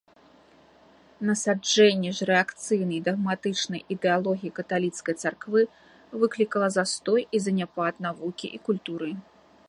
Насаджэнне ж рэакцыйнай дагматычнай ідэалогіі каталіцкай царквы выклікала застой і заняпад навукі і культуры.